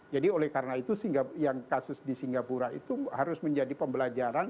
jadi oleh karena itu yang kasus di singapura itu harus menjadi pembelajaran